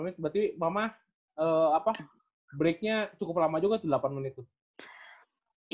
menit berarti mama breaknya cukup lama juga tuh delapan menit tuh